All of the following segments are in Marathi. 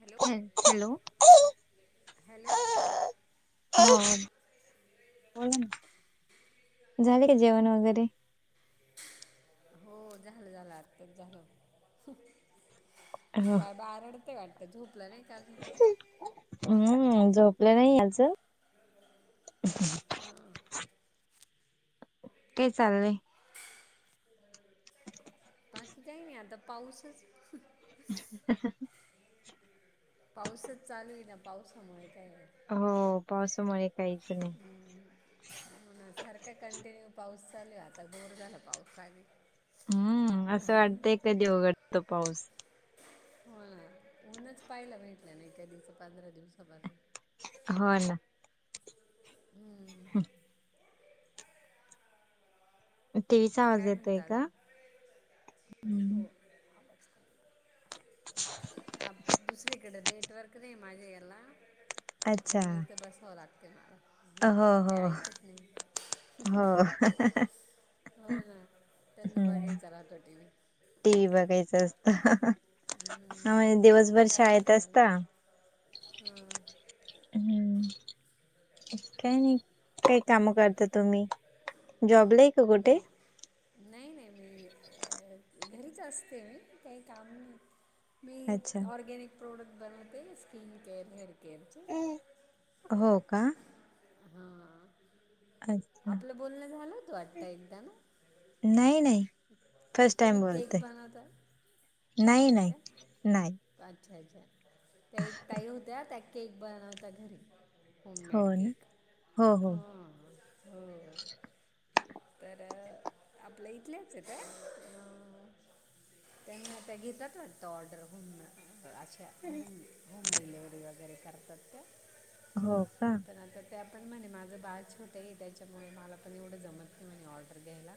हॅलो ह हॅलो हॅलो हो बोलाना झाले का जेवण वगैरे? हो झालं झालं आत्ताच झालं. हो काय, बाळ रडतंय वाटतं झोपलं नाय अजून? हम्म, झोपलं नाही अजून हां के चाललेयं. बाकी काही नाही आता पाऊसचं. ह. पाऊसचं चालू हुई ना पावसामुळे काय? हो पावसामुळे काहीचं नाही. ह, सारखं कंटिन्यू, पाऊस चालू हाय आता बोर झालं पाऊसाने. हम्म, असं वाटतंयं कधी उघडतो पाऊसं. व्हय, ऊनचं पाहायला भेटलं नाय कधीच पंधरा दिवसापासून. हो, ना. हम, टीव्ही चा आवाज काय येतोय म्हणता का? अजून ह, अ्ा [inaudible] अब, दुसरीकडे नेटवर्क नाही माझे याला. त्याच्या अच्छा मुळे इथं बसवं लागते मला. हो पोरं हो काय ऐकतं नाही हुं हुं. हो हो ना त्यांना बघायचा राहतो टी व्ही. टी व्ही बघायचं असतं. हम्म, ह, दिवसभर काय शाळेत असता. म्हणतात हां हम्म, काय नाही काय काम करता तुम्ही जॉबला हाय? हम, नाही- नाही मी घरीच असते. मी काही काम नाही. मी अच्छा ऑर्गनिक प्रोडक्ट बनवते स्किन केअर हेअर केअरचे. हो का. हा अच्छा आपलं बोलणं झालं होत वाटतं एकदा ना? नाही- नाही. फर्स्ट तुम्ही टाइम बोलते केक बनवता? नाही का नाही अच्छा - अच्छा ते ताई होत्या त्या केक बनवता घरी हो होममेड ना केक हो हो हा. हो. तर, आपलं इथल्या चं त्या अ. त्यांना त्या घेतात वा ऑर्डर हो अचछा [inaudible] डिलेिवरी वगैरे, करतात त्या. हो का. आता त्या पण म्हणे माझं बाळ छोटं हे त्याच्यामुळे मला पण एवढं जमतं नाही म्हणे ऑर्डर द्यायला.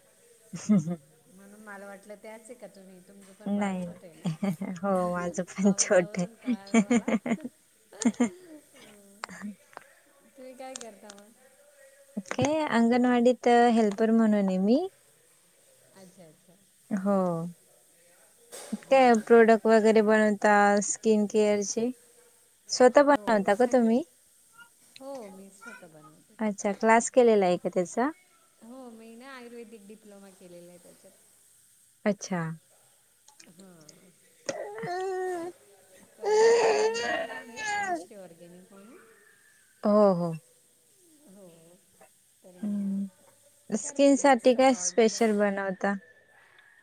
ह् ह. म्हणून मला वाटलं त्याचं आहे का तुम्ही तुमचं पण बाळ नाही नाही. छोटं हे ना हा हो माझं हा पण आवाजावरून कळलं मला. हा अं, हा. तुम्ही काय करता मग? हे अंगणवाडीत हेल्पर म्हणून आहे मी. अच्छा, अच्छा, हो. काय प्रोडक्ट वगैरे बनवता स्किन केअरचे. स्वतः हो बनवता का सगळं तुम्ही हो मी स्वतः बनवते. अच्छा क्लास केलेला आहे का त्याचा? हो मी ना आयुर्वेदिक डिप्लोमा केलेला आहे, त्याच्यात अच्छा, हम्म [unintelligible] तर माझं ब्रँडिंग पण आहे अनुषे ऑर्गॅनिक म्हणून हो हो हो, तर हम् मग करते स्किन मी साठी असतात काय स्पेशल बनवता?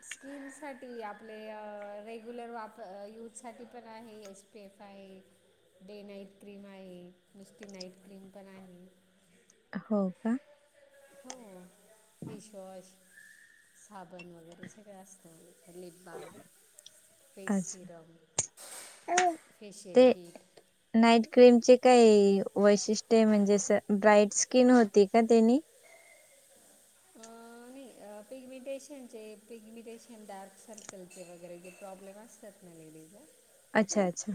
स्किमसाठी आपले रेग्युलर वाप यूथसाठी पण आहे एस पेफ आहे नाईट क्रीम आहे नुसती नाईट क्रीम आहे. हो का, हो फेसवॉश साबण वगैरे सगळं असतं, लिप बम फेस अच्छा सिरम फेशिल ते किट नाईट क्रीमचे काही वैशिष्ट्य म्हणजे ब्राईट स्किन होती का त्यानी [unintelligible] नाही पिगमिंटेशनचे पिगमिंटेशन डार्क सर्कलचे वगैरे जे प्रॉब्लेम असतात, आपल्या लेडीिज आहे. अच्छा अच्छा,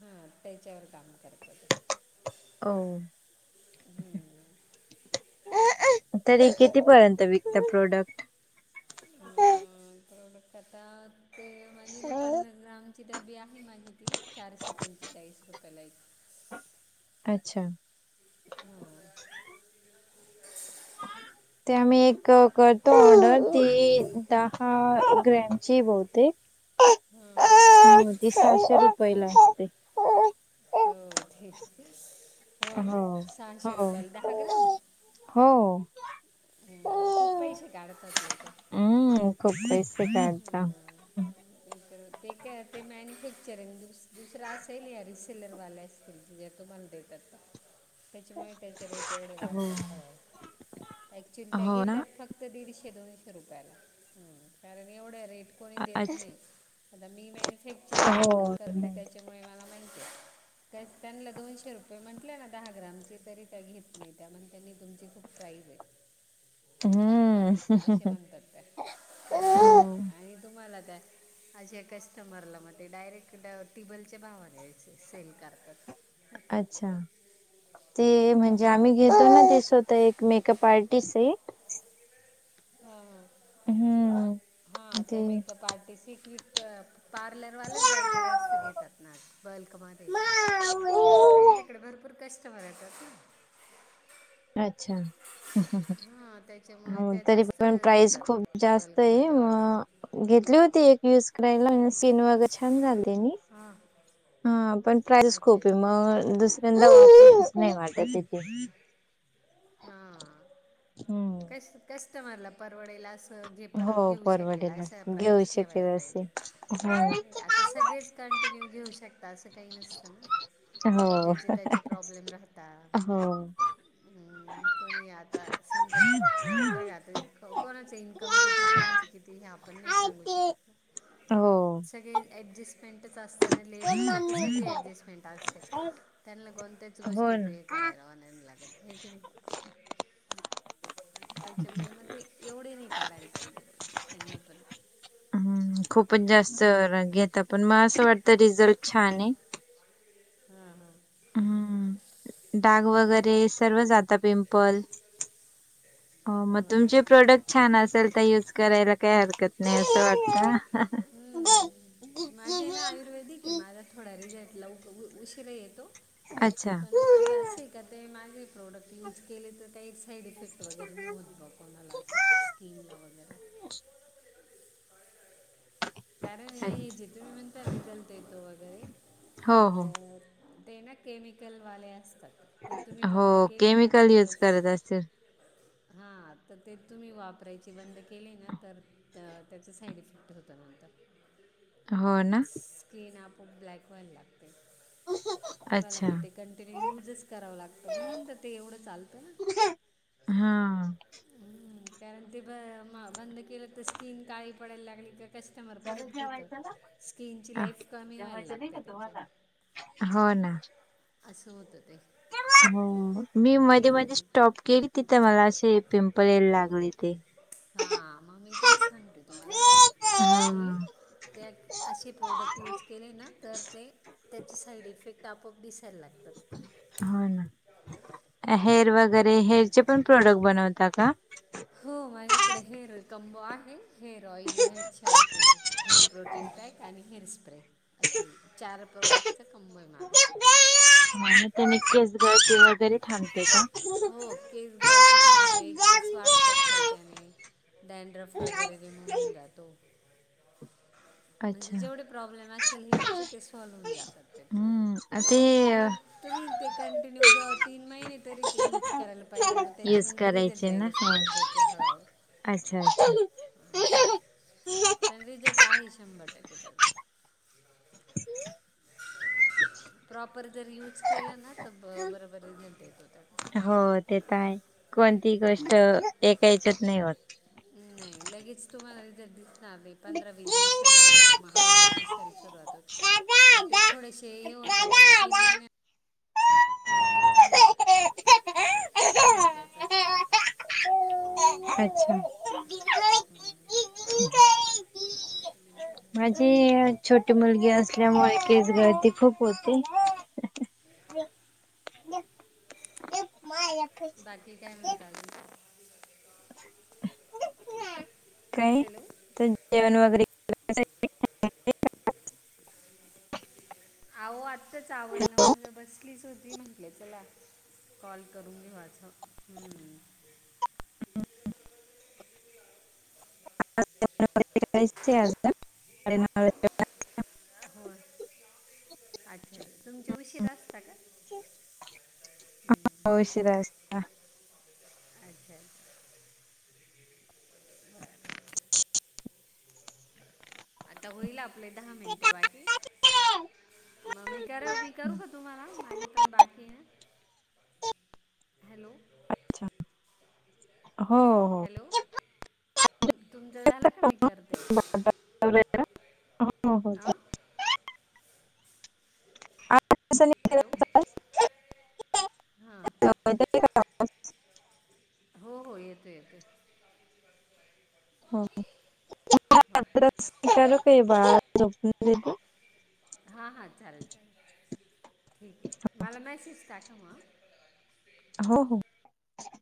हा त्याच्यावर काम करत ते, ओ तरी कितीपर्यंत विकत प्रोडक्ट प्रॉडक्ट आत्ता ते माझी ना पन्नास ग्राम ची डबी आहे माझी ती चारशे पंचेचाळीस रुपयाला एक, अच्छा, ह ते मी एक करतो ऑर्डर ती दहा ग्रॅमची बहुतेक, [unintelligible] हम्म, म्हणजे सहाशे रुपयाला असते. हो ठीक हो ना सहाशे हो रुपयाला दहा ग्राम हो, हं, खूप पैसे काढतात लोक हम्म खूप पैसे काढता. तर ते काय ते मॅन्युफॅक्चरिंग दुसर असेल या रिसेलरवाल्यास जे तुम्हाला देतात त्या [unintelligible] त्याच्यामुळे त्याचे रेट हो वाारतात हव ऍक्च्युली त्या हो ना घेतात, फक्त दीडशे दोनशे रुपयाला कारण एवढ्या रेट कोणी देत अच्छा नाही आता मी मॅन्युफॅक्चरिंग हो वर करते, नाही त्याच्यामुळे मला माहिती आहे. त्या त्यांना दोनशे रुपये म्हटले ना दहा ग्रामचे तरी त्या घेत नाही त्या म्हण त्यांनी तुमची खूप प्राईज आहे. हम्म असे म्हणतात त्या ह हो. आणि तुम्हाला त्या अे कस्टमरला मग ते डायरेक्ट ट्युबेलच्या भावाने या्यायचे सेल करतात. [unintelligible] ''अच्छा'', ते म्हणजे हम्म. आम्ही घेतो ना ते स्वतः एक मेकअप आर्टिस्ट आहे. हा हम्म हा ते त्या मेकअप आर्टिस्ट [inaudible] पार्लरवाल्याच बायका जास्त घेतात ना, बल्कमध्ये कारण, त्यांच्याकडे भरपूर कस्टमर येतात ना. 'अच्छा' ह ह हां ह त्याच्यामुळे हो त्या तरी जास्त पण प्राईस खूप घेतात जास्त आहे, बल्कमध्ये ऑर्डर मग घेतली होती एक युज करायला, स्किन वगैरे छान झाले त्यानी हां हा पण प्राईज अच्छा खूप आहे, अच्छा मग दुसऱ्यांदा जाच नाही वाटत तिथे, हा हम्म 'कस्टमरला परवडेल अस' त ते परत हो घेऊ शकेल, परवडेल अशा घेऊ प्राईज शकेल ठेवायला असे पाहिजे. तर, सगळेच कंटिन्यू घेऊ शकतात, असं काही नसतं ना? हो ज्याचे त्याचे प्रॉब्लेम राहतात. हो कोणी आता समजा, ''अ बघा आता'', कोणाच इन्कम किती कोणाचं किती, हे आपण नाही सांगू शकत ना, हो सगळे ॲडजस्टमेंटच असतं ना, लेडीजचं तर सगळी ॲडजस्टमेंट असते. त्यांना, कोणत्याच हो गोष्टी ना. हे करायला म्हणायला नाही लागत. ठीक आहे त्याच्यामुळे, मग ते एवढे नाही टाळायला पाहिजे, त्यांनी पण खूपच जास्त घेता पण, मग असं वाटतं रिझल्ट छानाय. हा हम्म डाग वगैरे सर्व जाता पिंपल हो, मग तुमचे प्रोडक्ट छान असेल तर, युज करायला काय हर 'हरकत नाही असं वाटत'! हम्म. ''माझे ना आयुर्वेदिक आहे'', माझा थोडा रिझल्ट लव ऊशिरा येतो. अच्छा. पण, माझं असे का ते, माझे प्रोडक्ट युज केले तर काही साईड इफेक्ट वगैरे नाही होत, बघ कोणाला असं स्कीिनला वगैरे कारण, हे अच्छ- जिथून मी म्हणंत रिझल्ट येतो वगैरे हो हो तर ते ना केमिकलवाले असतात, ते तुम्ही हो बंद केले ना केमिकल तर युज करत असतील हा, तर ते तुम्ही वापरायची बंद केले ना तर, तर, त्याचा साईड इफेक्ट होता म हो ना स्किन आपोआप ब्लॅक व्हायला लागते. तुम्हाला, मग ते अच्छा. कंटिन्यू करावं लागतं, म्हणून तर ते एवढं चालतं ना हा हम्म कारण ते ब बंद केलं तर, स्किन काळी पडायला लागली का क कमर झालं परत घेत, जेवायचं ना? स्कीन ची आ. लाईफ कमी व्हायला जेवायचं नाही का लागते त्याच्या तुम्हाला? हो ना 'अस होत ते' हो, मी मध्ये मध्ये स्टॉप केली, तिथे मला असे पिंपल यायला लागले ते हा, मग मी तेच सांगते तुम्हाला की हा. त्या असे प्रोडक्ट यूज केले ना तर, ते त्याचे साईड इफेक्ट तापप दिसायला लागतात हो ना ''हेअर वगैरे हेअरचे नंतर पण प्रोडक्ट बनवता का''? हो, माझ्याकडे हेर कंबो आहे. Hair oil, hair shampoo, hair protein pack आणि हेअर स्प्रे अशे चार प्रोडक्टचं कंबो आय माझं. त्यांनी केस कळती वैगरे थांबते का? हो केस गळती थांबते केस वाढतात त्याच्याने डॅनड्रफ वगैरे निघून जातो. म्हणजे अच्छा. जेवढे प्रॉब्लेम असेल हेअरचे ते सॉल्व होऊन जातात. हम्म, आ ते पण मग तुम्ही ते कंटिन्यू दो तीन महिने तरी यूज कराला पाहिजे मग यूज त्याच्यानंतर रिझल्ट करायचे ना यायला हो सुरुवात होते हळूहळू. अच्छा अच्छा असं पण रिझल्ट आहे शंभर टक्के त्याजा. [inaudible] प्रॉपर जर युज केला ना तर बरोबर रिझल्ट येतो त्याचा. हो ते तर आहे कोणती गोष्ट एका ह्याच्यात नाय होत. नाय लगेच तुम्हाला रिजल्ट दिसणार नाय पंधरा वीस दिवसानंतर म हळूहळू दिसायला सुरुवात होते. मग ते थोडेसे हे होतात मग तीन महिन्या नंतर चांगल रिझल्ट अच्छा. हम्म. [inaudible] माझी छोटी मुलगी असल्यामुळे केस गळती खूप होते. बाकी काय म्हणता अजून? काय हॅलो तर जेवण वगैरे [unintelligible] अहो आ त्ताच आवरल माझं बसलीच होती म्हटलं चला कॉल करून घेऊ आज हम्म. [unintelligible] हो अच्छा तुमचे उशीर असता का? [unintelligible] उशिरा असत्या. अच्छा. आता होईल आपले दहा मिनटं बाकी. म- मी करु मी करू का तुम्हाला माझी पण बाकी ए ना? हॅलो. छा, हो हो. हॅलो, तुमचं झाला का मी करते. हा हो हो हां [unintelligible] [unintelligible] हॅलो, हा. [unintelligible] [inaudible] हो हो येतोय येतोय. [unintelligible] बाळाला झोपून घेते. हां हां चालेल चालेल ठीक ए मला मेसेज टाका हा म. हो हो.